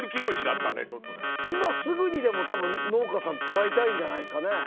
今すぐにでも多分農家さん使いたいんじゃないですかね。